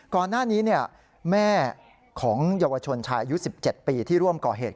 ก่อนหน้านี้แม่ของเยาวชนชายอายุ๑๗ปีที่ร่วมก่อเหตุ